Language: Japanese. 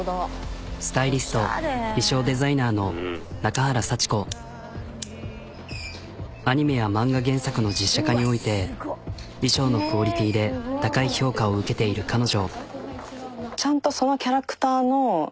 あっふふっうんアニメや漫画原作の実写化において衣装のクオリティーで高い評価を受けている彼女。